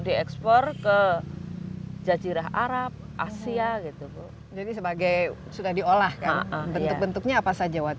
diekspor ke jajirah arab asia gitu jadi sebagai sudah diolah kan bentuk bentuknya apa saja waktu